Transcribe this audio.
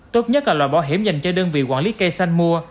tốt nhất là loại bảo hiểm dành cho đơn vị quản lý cây xanh mua